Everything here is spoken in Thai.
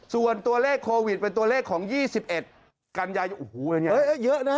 ส่วนตัวเลขโควิดเป็นตัวเลขของยี่สิบเอ็ดอู้หูเยอะนะ